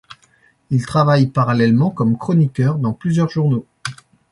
Il travaille parallèlement comme chroniqueur dans plusieurs journaux.